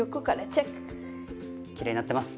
きれいになってます。